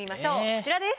こちらです。